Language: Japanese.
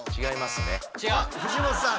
藤本さん